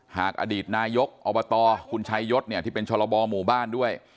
อดีตนายกอบตคุณชัยยศที่เป็นชรบหมู่บ้านด้วย